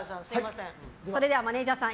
それではマネジャーさん